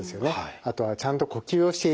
あとはちゃんと呼吸をしているか。